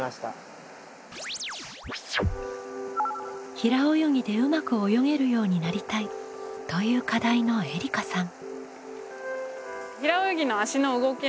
「平泳ぎでうまく泳げるようになりたい」という課題のえりかさん。